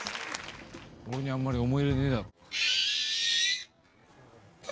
俺にあんまり思い入れねえだろえっ！？